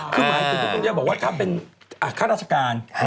หมายคุณจะบอกว่าคำเป็นค่าราชการ